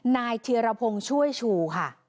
นายเทียระพงช่วยชูค่ะ